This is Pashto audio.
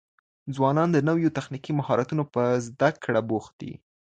ځوانان د نويو تخنيکي مهارتونو په زده کړه بوخت دي.